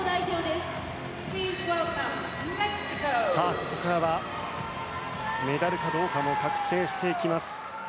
ここからはメダルかどうかも確定していきます。